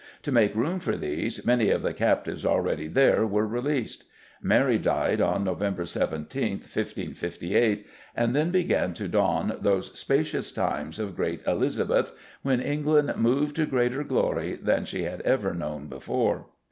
To make room for these, many of the captives already there were released. Mary died on November 17, 1558, and then began to dawn those "spacious times of great Elizabeth" when England moved to greater glory than she had ever known before.